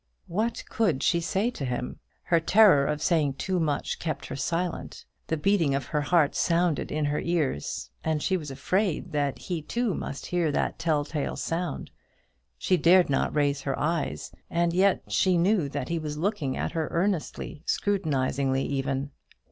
What could she say to him? Her terror of saying too much kept her silent; the beating of her heart sounded in her ears, and she was afraid that he too must hear that tell tale sound. She dared not raise her eyes, and yet she knew that he was looking at her earnestly, scrutinizingly even.